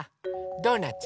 ドーナツ？